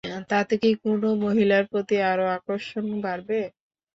তাতে কি কোন মহিলার প্রতি আরো আকর্ষণ বাড়বে?